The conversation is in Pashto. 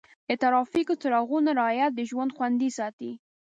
د ټرافیک څراغونو رعایت د ژوند خوندي ساتي.